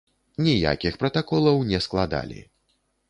Ніякіх пратаколаў не складалі.